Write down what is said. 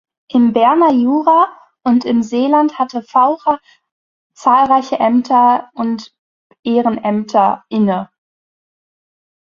Im Berner Jura und im Seeland hatte Vaucher zahlreiche Ämter und Ehrenämter inne.